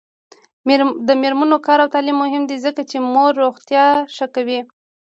د میرمنو کار او تعلیم مهم دی ځکه چې مور روغتیا ښه کوي.